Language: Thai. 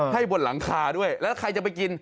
ให้บนหลังคาด้วยแล้วใครจะไปกิน